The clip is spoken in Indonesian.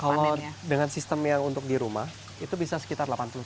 kalau dengan sistem yang untuk di rumah itu bisa sekitar delapan puluh tanaman dan lima ikan